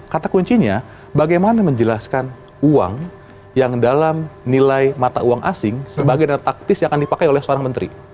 kata kuncinya bagaimana menjelaskan uang yang dalam nilai mata uang asing sebagai dana taktis yang akan dipakai oleh seorang menteri